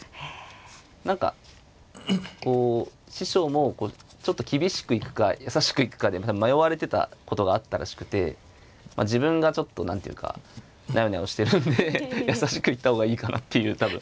何かこう師匠もちょっと厳しくいくか優しくいくかで迷われてたことがあったらしくて自分がちょっと何ていうかなよなよしてるんで優しくいった方がいいかなっていう多分。